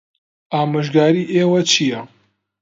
ئامۆژگاریی ئێوە چییە؟